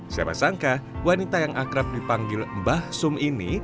siapa sangka wanita yang akrab dipanggil mbah sum ini